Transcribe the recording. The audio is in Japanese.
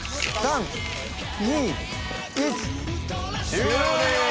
終了です！